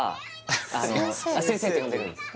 「先生」って呼んでるんです